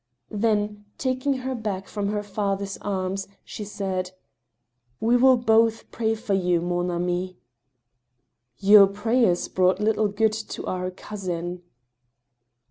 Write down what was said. Then, taking her back from her father's arms, she said :" We will both pray for yt>u, man ami" " Your prayers brought little good to our cousin."